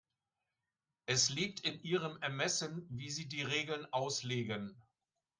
Es liegt in Ihrem Ermessen, wie Sie die Regeln auslegen.